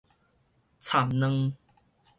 蠶卵